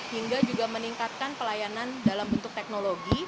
hingga juga meningkatkan pelayanan dalam bentuk teknologi